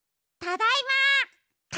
ただいま。